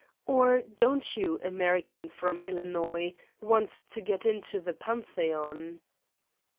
Or, don't you, American from Illinois, want to get into the Pantheon?"